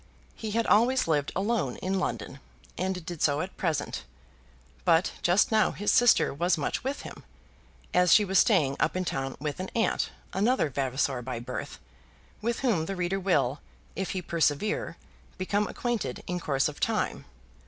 He had always lived alone in London, and did so at present; but just now his sister was much with him, as she was staying up in town with an aunt, another Vavasor by birth, with whom the reader will, if he persevere, become acquainted in course of time.